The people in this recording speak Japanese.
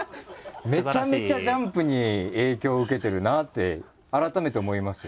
めちゃめちゃ「ジャンプ」に影響を受けてるなって改めて思いますよね。